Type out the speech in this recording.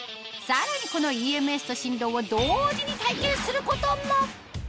さらにこのＥＭＳと振動を同時に体験することも！